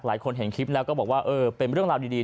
เห็นคลิปแล้วก็บอกว่าเออเป็นเรื่องราวดี